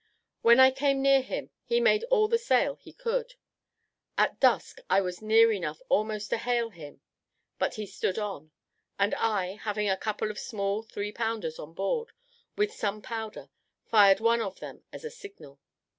When I came near him, he made all the sail he could. At dusk I was near enough almost to hail him, but he stood on; and I, having a couple of small three pounders on board, with some powder, fired one of them as a signal.